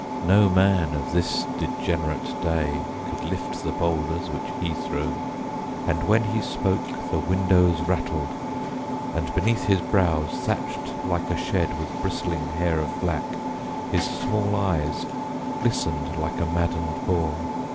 No man of this degenerate day could lift The boulders which he threw, and when he spoke The windows rattled, and beneath his brows Thatched like a shed with bristling hair of black, His small eyes glistened like a maddened boar.